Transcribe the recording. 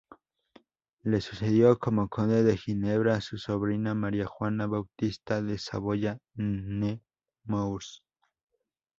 Le sucedió como conde de Ginebra su sobrina, María Juana Bautista de Saboya-Nemours.